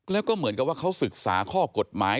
แล้วก็เหมือนกับว่าเขาศึกษาข้อกฎหมาย